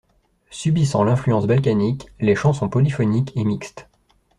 Subissant l'influence balkanique, les chants sont polyphoniques et mixtes.